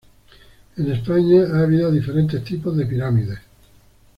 En España ha habido diferentes tipos de pirámides.